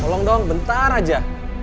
tolong dong bentar aja